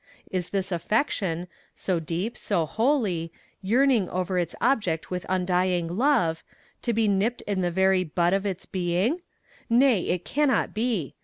Is this affection, so deep, so holy, yearning over its object with undying love, to be nipped in the very bud of its being? Nay, it cannot be.